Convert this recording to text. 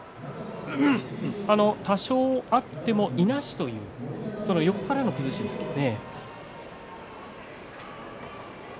多少あってもいなしという横からの崩しですよね。